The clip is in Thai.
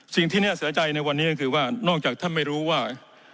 สิ่งที่น่าเสียใจในวันนี้ก็คือว่านอกจากท่านไม่รู้ว่า